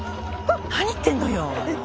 何言ってんのよ。